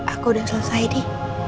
aku udah selesai di